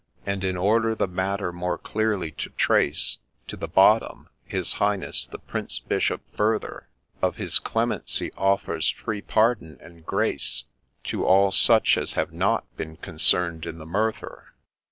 ' And, in order the matter more clearly to trace To the bottom, his Highness, the Prince Bishop, further, Of his clemency, offers free PARDON and Grace To all such as have not been concern'd in the murther.